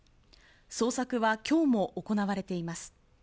捜索は今日も行われています。